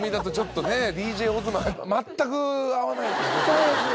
そうですよね。